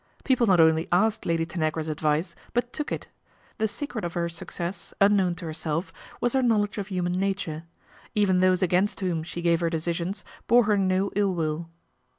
People not only asked Lady Tanagra's advice, but took it. The secret of her success, unknown to herself, was her knowledge of human nature. Even those against whom she gave her decisions bore her no ill will.